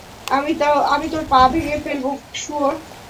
আমি তোর পা ভেঙ্গে ফেলব, শুয়োর।